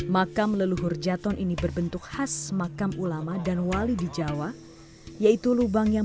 makam leluhur jaton ini berbentuk khas makam ulama dan wali di jawa yaitu lubang yang